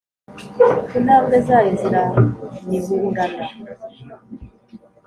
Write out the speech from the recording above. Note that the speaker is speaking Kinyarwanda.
Intambwe zayo ziranihurana,